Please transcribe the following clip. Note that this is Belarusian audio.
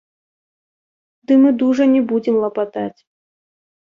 Ды мы дужа не будзем лапатаць.